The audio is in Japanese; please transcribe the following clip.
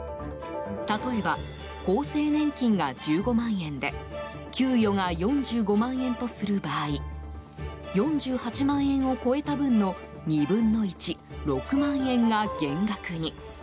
例えば、厚生年金が１５万円で給与が４５万円とすると場合４８万を超えた分の２分の１６万円が減額に。